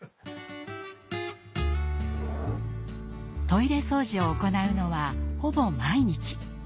トイレ掃除を行うのはほぼ毎日。